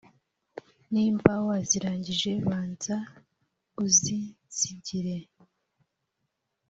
Nimba wazirangije banza uzinsigire